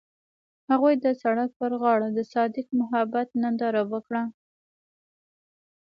هغوی د سړک پر غاړه د صادق محبت ننداره وکړه.